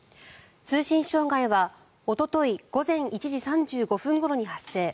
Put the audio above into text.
通信障害はおととい午前１時３５分ごろに発生。